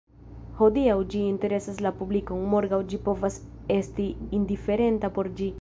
Hodiaŭ ĝi interesas la publikon, morgaŭ ĝi povas esti indiferenta por ĝi.